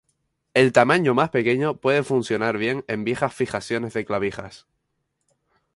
El tamaño más pequeño puede funcionar bien en viejas fijaciones de clavijas.